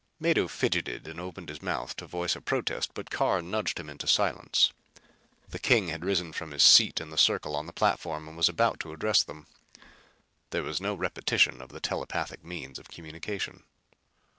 Mado fidgeted and opened his mouth to voice a protest but Carr nudged him into silence. The king had risen from his seat in the circle on the platform and was about to address them. There was no repetition of the telepathic means of communication.